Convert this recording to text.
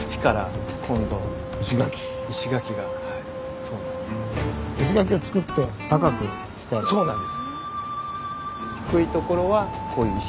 そうなんです。